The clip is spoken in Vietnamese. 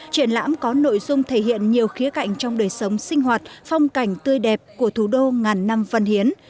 triển lãm có nội dung thể hiện nhiều khía cạnh trong đời sống sinh hoạt phong cảnh tươi đẹp của thủ đô ngàn năm văn hiến